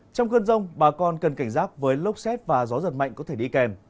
trong cơn rông bà con cần cảnh giác với lốc xét và gió giật mạnh có thể đi kèm